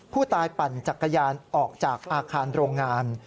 ปั่นจักรยานออกจากอาคารโรงงาน